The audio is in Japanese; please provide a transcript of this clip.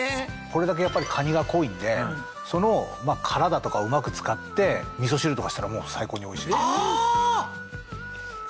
これだけやっぱりカニが濃いんでその殻だとかをうまく使ってみそ汁とかしたら最高においしい。